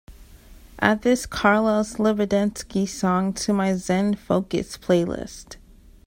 Add this carlos libedinsky song to my zen focus playlist